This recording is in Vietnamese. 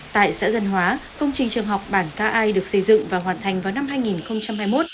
tại xã dân hóa công trình trường học bản k i được xây dựng và hoàn thành vào năm hai nghìn hai mươi một